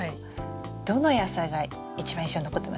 どの野菜が一番印象に残ってます？